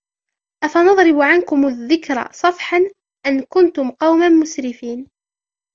أَفَنَضْرِبُ عَنْكُمُ الذِّكْرَ صَفْحًا أَنْ كُنْتُمْ قَوْمًا مُسْرِفِينَ